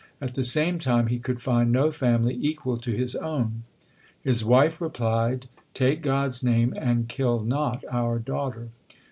2 At the same time he could find no family equal to his own. His wife replied, Take God s name and kill not our daughter.